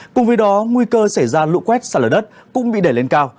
cùng với đó nguy cơ xảy ra lụ quét sả lở đất cũng bị để lên cao